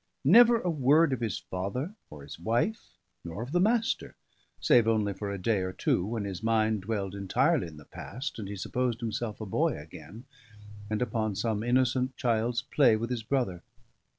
Never a word of his father or his wife, nor of the Master, save only for a day or two, when his mind dwelled entirely in the past, and he supposed himself a boy again and upon some innocent child's play with his brother.